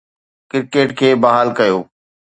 cricket کي بحال ڪيو